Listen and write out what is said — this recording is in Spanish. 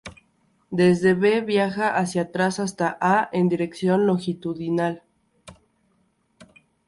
Desde B viaja hacia atrás hasta A en dirección longitudinal.